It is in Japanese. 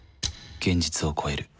現実を超える。